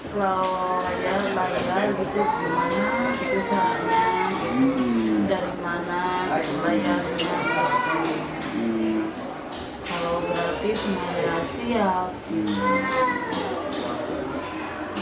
kalau bayar balik lagi ke rumah ke sana dari mana bayarnya kalau berarti semuanya siap